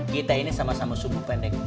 kita ini sama sama subuh pendek